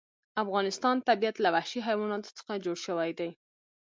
د افغانستان طبیعت له وحشي حیواناتو څخه جوړ شوی دی.